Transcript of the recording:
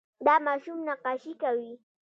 دا ماشوم نقاشي کوي.